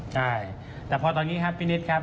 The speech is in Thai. ใช่แต่พอตอนนี้ครับพี่นิดครับ